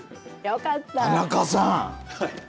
田中さん。